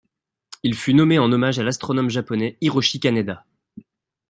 Il fut nommé en hommage à l'astronome japonais Hiroshi Kaneda.